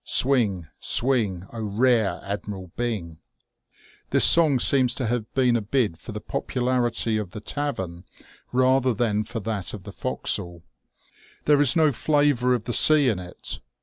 Swing, swing, rare Admiral BifngJ* This song seems to have been a bid for the popularity of the tavern rather than for that of the forecastle. There is no flavour of the sea in it.